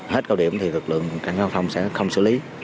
hết cao điểm thì lực lượng cảnh sát giao thông sẽ không xử lý